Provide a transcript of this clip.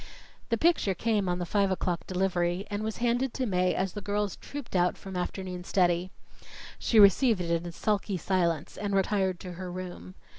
The picture came on the five o'clock delivery, and was handed to Mae as the girls trooped out from afternoon study. She received it in sulky silence and retired to her room.